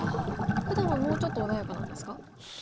ふだんはもうちょっと穏やかなんですか？